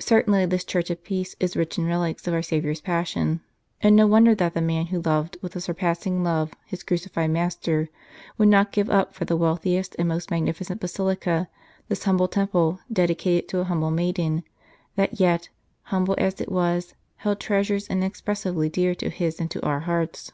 Certainly this Church of Peace is rich in relics of our Saviour s Passion, and no wonder that the man who loved with a surpassing love his Crucified Master would not give up for 203 St. Charles Borromeo the wealthiest and most magnificent basilica this humble temple dedicated to a humble maiden, that yet, humble as it was, held treasures inex pressibly dear to his and to our hearts.